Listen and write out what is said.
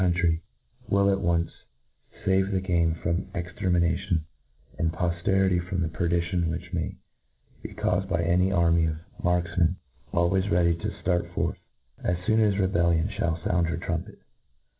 county, will at once fave the game from exter mination, and pofterity from the perdition which may be caufed by an army of markfmcn, al ways ready to ftart forth, as foon as rebellion ihall found her trumpet.